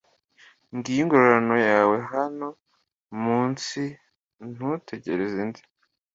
Ngiyo ingororano yawe hano mu nsi, ntutegereze indi